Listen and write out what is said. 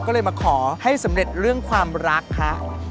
ก็เลยมาขอให้สำเร็จเรื่องความรักค่ะ